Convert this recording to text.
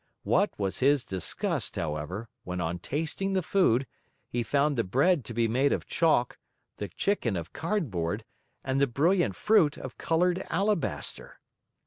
What was his disgust, however, when on tasting the food, he found the bread to be made of chalk, the chicken of cardboard, and the brilliant fruit of colored alabaster!